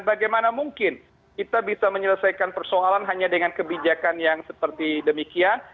bagaimana mungkin kita bisa menyelesaikan persoalan hanya dengan kebijakan yang seperti demikian